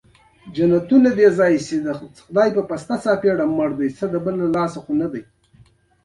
باور دادی چې دا د نبطیانو د دولتي بانک ودانۍ وه.